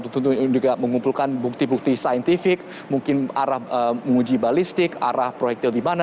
tentu juga mengumpulkan bukti bukti saintifik mungkin arah menguji balistik arah proyektil di mana